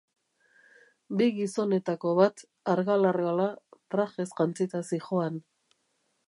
Bi gizonetako bat, argal-argala, trajez jantzita zihoan.